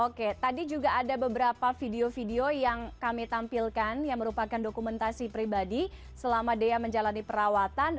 oke tadi juga ada beberapa video video yang kami tampilkan yang merupakan dokumentasi pribadi selama daya menjalani perawatan